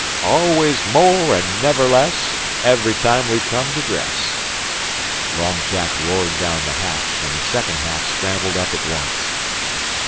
"Always more and never less, Every time we come to dress," Long Jack roared down the hatch, and the "second ha'af" scrambled up at once.